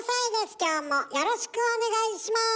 きょうもよろしくお願いします。